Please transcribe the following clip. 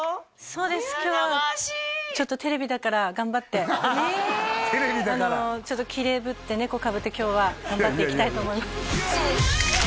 そうです今日いや生足ちょっとテレビだから頑張ってえっテレビだからちょっとキレイぶって猫かぶって今日は頑張っていきたいと思います